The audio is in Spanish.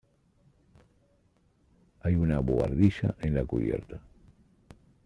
Hay una buhardilla en la cubierta.